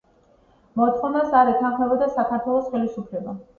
მოთხოვნას არ ეთანხმებოდა საქართველოს ხელისუფლება.